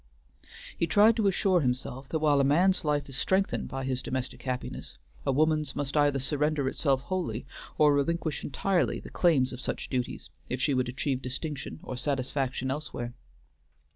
He tried to assure himself that while a man's life is strengthened by his domestic happiness, a woman's must either surrender itself wholly, or relinquish entirely the claims of such duties, if she would achieve distinction or satisfaction elsewhere.